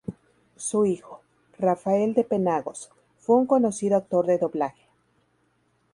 Su hijo, Rafael de Penagos, fue un conocido actor de doblaje.